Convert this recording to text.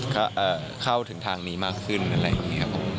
ก็เข้าถึงทางนี้มากขึ้นอะไรอย่างนี้ครับผม